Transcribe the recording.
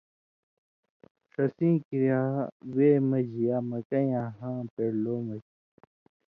ݜسیں کریا وے مژ یا مکئ یاں ہاں پیڑلو مژ